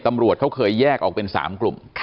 ตำรวจเขาเคยแยกออกเป็น๓กลุ่ม